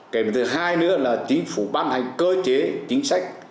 kèm thứ hai nữa là chính phủ ban hành cơ chế chính sách